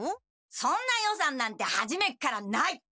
そんな予算なんてはじめっからない。